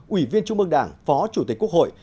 ủy viên trung mương đảng phó chủ tịch quốc hội